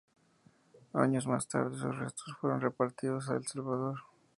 Años más tarde sus restos fueron repatriados a El Salvador.